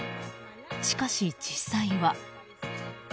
しかし、実際は。